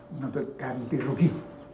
menuntut ganti rugi